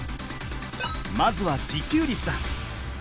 まずは自給率だ。